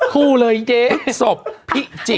พูดเลยเจ๊พฤศพพี่จิก